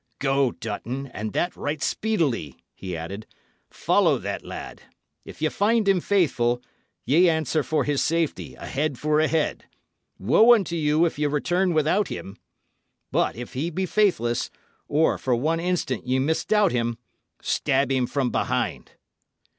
"Go, Dutton, and that right speedily," he added. "Follow that lad. If ye find him faithful, ye answer for his safety, a head for a head. Woe unto you, if ye return without him! But if he be faithless or, for one instant, ye misdoubt him stab him from behind."